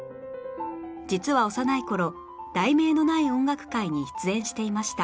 実は幼い頃『題名のない音楽会』に出演していました